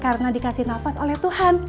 karena dikasih nafas oleh tuhan